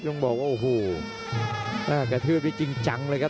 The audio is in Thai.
พยายามจะไถ่หน้านี่ครับการต้องเตือนเลยครับ